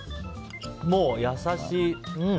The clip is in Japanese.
もう優しい。